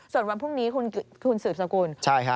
ส่วนวันพรุ่งนี้คุณสืบสกุล